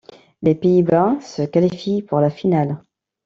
Les Pays-Bas se qualifient pour la finale.